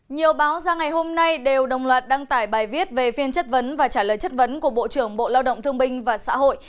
nhiều báo ra ngày hôm nay đều đồng loạt đăng tải bài viết về phiên chất vấn và trả lời chất vấn của bộ trưởng bộ lao động thương binh và xã hội